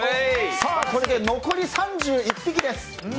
これで残り３１匹です。